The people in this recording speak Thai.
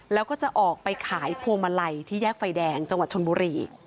แล้วก็จะออกไปขายพวงมาลัยที่แยกไฟแดงจังหวัดชนบุรี